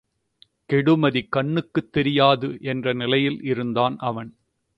கெடுமதி கண்ணுக்குத் தெரியாது என்ற நிலையில் இருந்தான் அவன்.